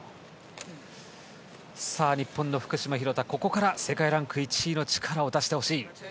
日本の福島、廣田ここから世界ランク１位の力を出してほしい。